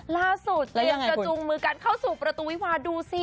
เตรียมกระจุงมือกันเข้าสู่ประตูวิวาดูสิ